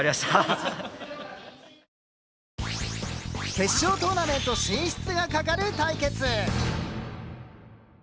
決勝トーナメント進出がかかる対決。